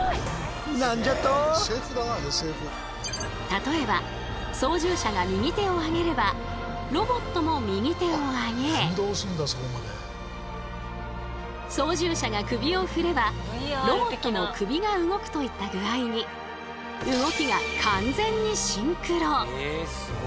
例えば操縦者が右手を上げればロボットも右手を上げ操縦者が首を振ればロボットも首が動くといった具合に動きが完全にシンクロ。